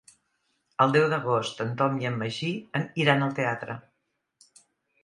El deu d'agost en Tom i en Magí iran al teatre.